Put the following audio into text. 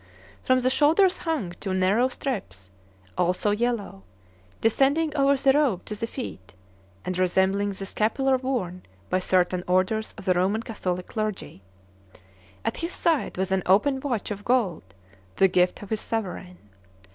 From the shoulders hung two narrow strips, also yellow, descending over the robe to the feet, and resembling the scapular worn by certain orders of the Roman Catholic clergy. At his side was an open watch of gold, the gift of his sovereign.